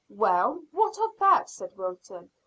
"Well, what of that?" said Wilton.